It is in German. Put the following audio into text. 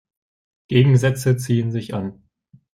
Gegensätze ziehen sich an.